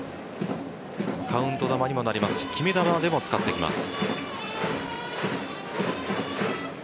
カウント球にもなりますし決め球でも使ってきます。